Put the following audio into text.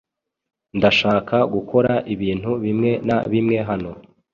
Ndashaka gukora ibintu bimwe na bimwe hano.